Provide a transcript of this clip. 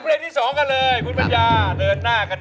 ร้องได้ให้ร้าน